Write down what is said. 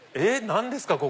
何ですか？